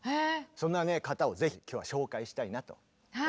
そんな方をぜひ今日は紹介したいなと思っております。